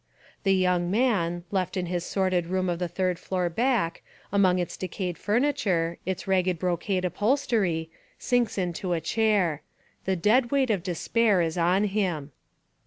... The young man, left in his sordid room of the third floor back, among Its decayed furniture, its ragged brocade upholstery, sinks into a chair. The dead weight of despair is on him.